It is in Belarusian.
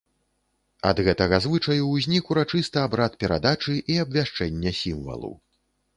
Ад гэтага звычаю ўзнік урачысты абрад перадачы і абвяшчэння сімвалу.